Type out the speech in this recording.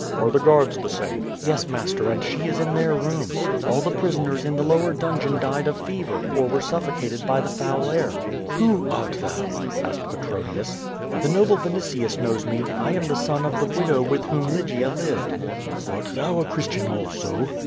"Are the guards the same?" "Yes, master, and she is in their room. All the prisoners in the lower dungeon died of fever, or were suffocated by the foul air." "Who art thou?" asked Petronius. "The noble Vinitius knows jne, I am the son of the widow with whom Lygia lived." "Art thou a Christian also?"